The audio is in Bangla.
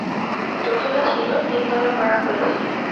দোতলা ছিল, তিনতলা করা হয়েছে।